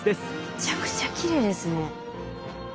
めちゃくちゃきれいですね。